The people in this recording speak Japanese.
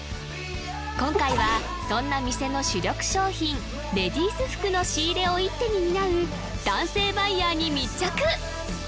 今回はそんな店の主力商品レディース服の仕入れを一手に担う男性バイヤーに密着！